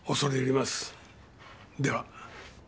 では。